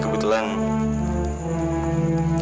kebetulan emang dia lagi kerja sama saya